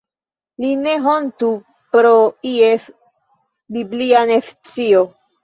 Li ne hontu pro ies biblia nescio.